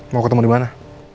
mau ketemu dimana